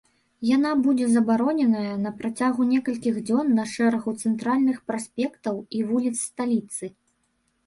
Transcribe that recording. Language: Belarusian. Яна будзе забароненая на працягу некалькіх дзён на шэрагу цэнтральных праспектаў і вуліц сталіцы.